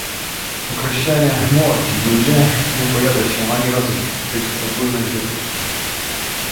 Określenie "młodzi ludzie" nie pojawia się ani razu w tych ogólnych wytycznych